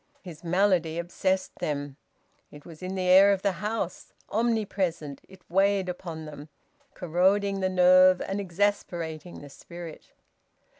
His malady obsessed them: it was in the air of the house, omnipresent; it weighed upon them, corroding the nerve and exasperating the spirit.